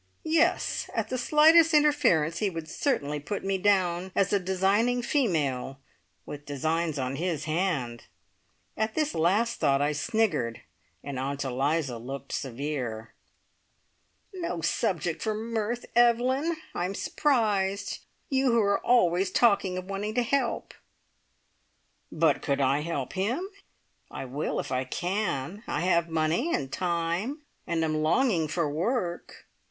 Yes, at the slightest interference he would certainly put me down as a designing female, with designs on his hand. At this last thought I sniggered, and Aunt Eliza looked severe. "No subject for mirth, Evelyn. I'm surprised! You who are always talking of wanting to help " "But could I help him? I will, if I can. I have money and time, and am longing for work.